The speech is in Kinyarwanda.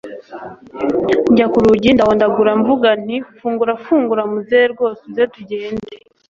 njya kurugi ndahondagura mvuga nti fungura fungura muzehe rwose uze tugende